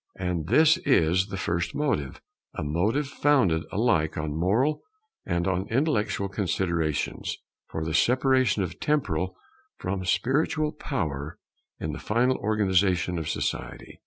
And this is the first motive, a motive founded alike on moral and on intellectual considerations, for the separation of temporal from spiritual power in the final organization of society.